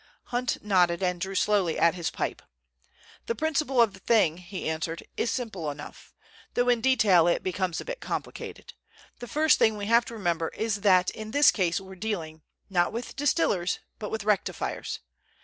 Hunt nodded and drew slowly at his pipe. "The principle of the thing," he answered, "is simple enough, though in detail it becomes a bit complicated. The first thing we have to remember is that in this case we're dealing, not with distillers, but with rectifiers.